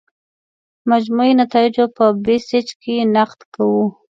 د مجموعي نتایجو په بیسج کې نقد کوو.